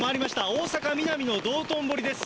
大阪・ミナミの道頓堀です。